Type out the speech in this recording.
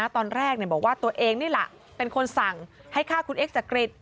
ตอนแรกบอกว่าตัวเองนี่แหละเป็นคนสั่งให้ฆ่าคุณเอ็กจักริต